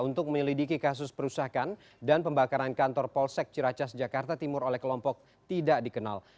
untuk menyelidiki kasus perusakan dan pembakaran kantor polsek ciracas jakarta timur oleh kelompok tidak dikenal